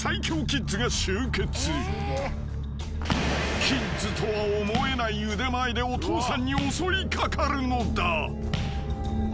［キッズとは思えない腕前でお父さんに襲い掛かるのだ］